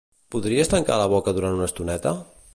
Podries tancar la boca durant una estoneta?